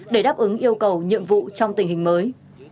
để đáp ứng yêu cầu nhiệm vụ trong tình hình mới